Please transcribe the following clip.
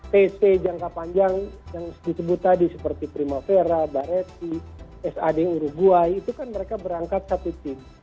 tc jangka panjang yang disebut tadi seperti primavera bareti sad uruguay itu kan mereka berangkat satu tim